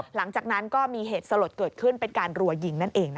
หลังจากนั้นก็มีเหตุสลดเกิดขึ้นเป็นการรัวยิงนั่นเอง